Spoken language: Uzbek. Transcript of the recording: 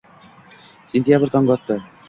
Sentyabr` tongi otdi.